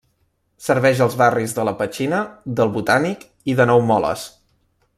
Serveix els barris de la Petxina, del Botànic i de Nou Moles.